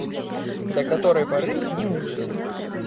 Да каторай пары не мылася!